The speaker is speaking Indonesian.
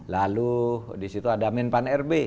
lalu disitu ada min pan rb